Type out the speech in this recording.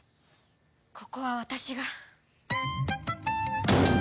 ここは私が！